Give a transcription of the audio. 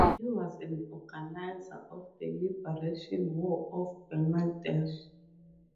He was an organizer of the Liberation War of Bangladesh.